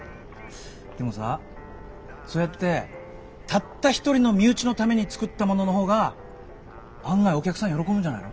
でもさそうやってたった一人の身内のために作ったものの方が案外お客さん喜ぶんじゃないの？